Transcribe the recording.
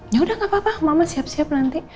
ya udah gapapa mama siap siap nanti